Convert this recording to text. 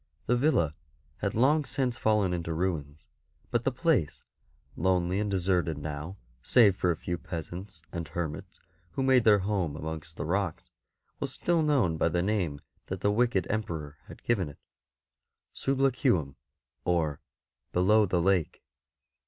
The villa had long since fallen into ruins ; but the place, lonely and deserted now save for a few peasants and hermits who made their home amongst the rocks, was still known by the name that the wicked Emperor had given it — Sublaqueum, or '' below the lake."